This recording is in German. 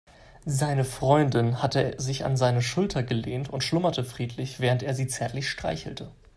Seine Freundin hatte sich an seine Schulter gelehnt und schlummerte friedlich, während er sie zärtlich streichelte.